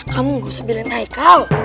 kamu gak usah belain haikal